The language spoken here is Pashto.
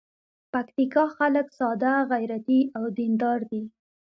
پکتیکا خلک ساده، غیرتي او دین دار دي.